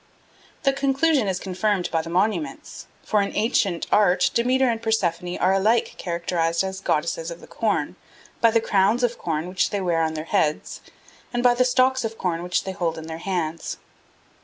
The conclusion is confirmed by the monuments; for in ancient art Demeter and Persephone are alike characterised as goddesses of the corn by the crowns of corn which they wear on their heads and by the stalks of corn which they hold in their hands.